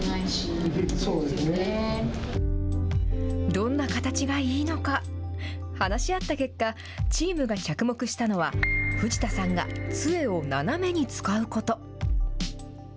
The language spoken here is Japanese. どんな形がいいのか、話し合った結果、チームが着目したのは、藤田さんがつえを斜めに使うこと。